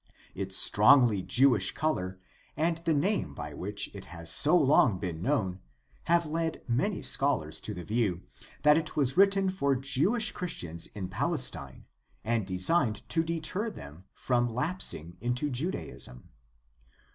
Its strongly Jewish color and the name by which it has so long been known have led many scholars to the view that it was written for Jewish Christians in Palestine and designed to deter them from lapsing into Judaism.